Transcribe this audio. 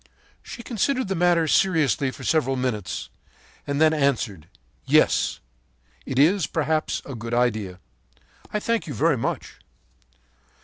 “She considered the matter seriously for several minutes, and then answered: 'Yes, it is, perhaps, a good idea. I thank you very much.'